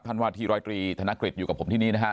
ท่านว่าที่๑๐๓ธนกฤทธิ์อยู่กับผมที่นี้นะฮะ